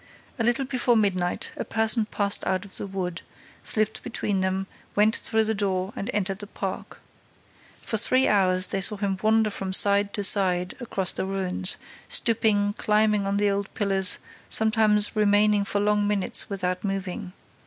A little before midnight, a person passed out of the wood, slipped between them, went through the door and entered the park. For three hours, they saw him wander from side to side across the ruins, stooping, climbing up the old pillars, sometimes remaining for long minutes without moving.